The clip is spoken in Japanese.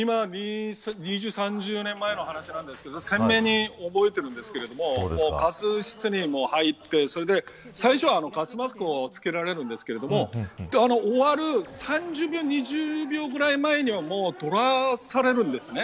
２０、３０年前の話ですが鮮明に覚えてるんですけどガス室に入って最初はガスマスクを着けられるんですが終わる３０秒２０秒ぐらい前には取らされるんですね。